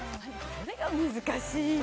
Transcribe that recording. どれが難しいの？